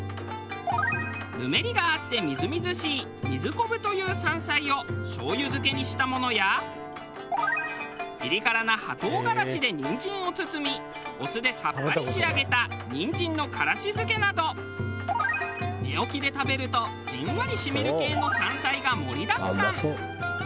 ぬめりがあってみずみずしいミズコブという山菜を醤油漬けにしたものやピリ辛な葉唐辛子でニンジンを包みお酢でさっぱり仕上げたニンジンの辛子漬けなど寝起きで食べるとじんわり染みる系の山菜が盛りだくさん。